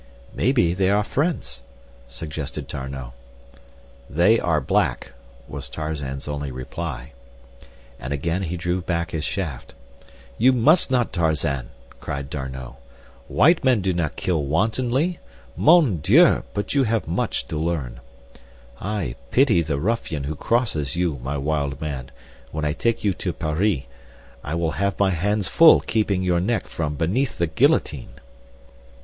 "Maybe they are friends," suggested D'Arnot. "They are black," was Tarzan's only reply. And again he drew back his shaft. "You must not, Tarzan!" cried D'Arnot. "White men do not kill wantonly. Mon Dieu! but you have much to learn. "I pity the ruffian who crosses you, my wild man, when I take you to Paris. I will have my hands full keeping your neck from beneath the guillotine."